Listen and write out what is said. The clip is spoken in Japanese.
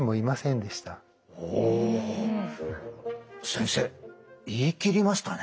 先生言い切りましたね。